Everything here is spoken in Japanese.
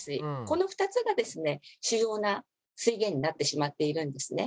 この２つがですね主要な水源になってしまっているんですね。